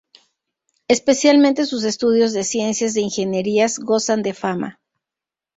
Especialmente sus estudios de ciencias de ingenierías gozan de fama.